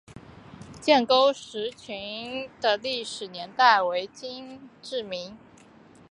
建沟石佛群的历史年代为金至明。